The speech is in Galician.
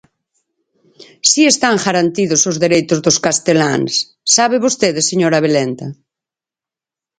Si están garantidos os dereitos dos casteláns, ¿sabe vostede, señor Abeleda?